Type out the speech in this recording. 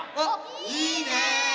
いいね！